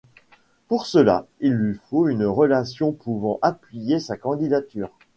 Pour cela, il lui faut une relation pouvant appuyer sa candidature.